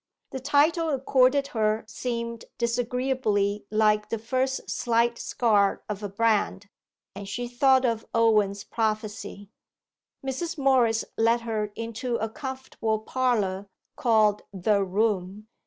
The title accorded her seemed disagreeably like the first slight scar of a brand, and she thought of Owen's prophecy. Mrs. Morris led her into a comfortable parlour called The Room.